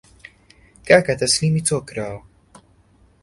کاکە تەسلیمی تۆ کراوە